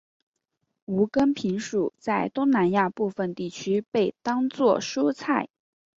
无根萍属在东南亚部份地区被当作蔬菜。